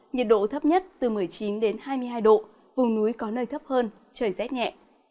nhiệt độ thấp nhất từ một mươi chín đến hai mươi hai độ vùng núi có nơi thấp hơn trời rét nhẹ